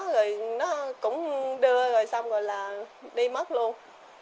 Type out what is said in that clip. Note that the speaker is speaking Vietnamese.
rồi nó cũng đưa rồi xong rồi là đi mất luôn